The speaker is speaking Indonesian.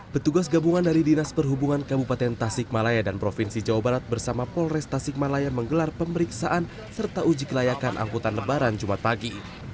petugas gabungan dari dinas perhubungan kabupaten tasikmalaya dan provinsi jawa barat bersama polres tasikmalaya menggelar pemeriksaan serta uji kelayakan angkutan lebaran jumat pagi